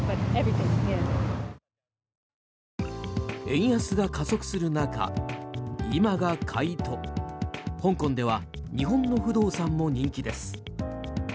円安が加速する中今が買いと香港では日本の不動産も人気です。